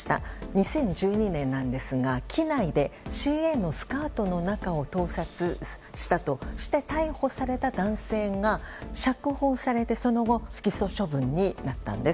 ２０１２年なんですが機内でＣＡのスカートの中を盗撮したとして逮捕された男性が、釈放されてその後不起訴処分になったんです。